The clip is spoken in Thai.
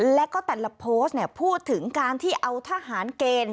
แล้วก็แต่ละโพสต์พูดถึงการที่เอาทหารเกณฑ์